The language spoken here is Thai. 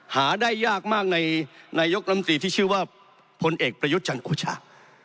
หาได้ยากมากในนายกลำตีที่ชื่อว่าพลเอกประยุทธ์จันทร์โอชา